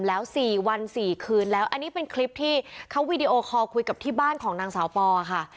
แล้ว๔วัน๔คืนแล้วอันนี้เป็นคลิปที่เขาวีดีโอคอลคุยกับที่บ้านของนางสาวปอค่ะ